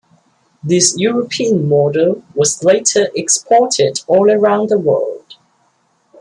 This European model was later exported all around the world.